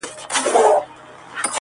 په تېرو غاښو مي دام بيرته شلولى.!